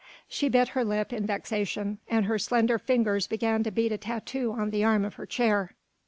She bit her lip in vexation and her slender fingers began to beat a tattoo on the arm of her chair.